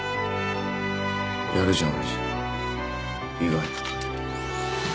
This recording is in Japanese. やるじゃん親父意外と。